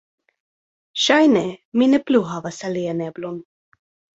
"Ŝajne mi ne plu havas alian eblon."